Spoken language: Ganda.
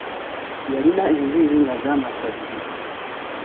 Yalina enviiri nga za masadde.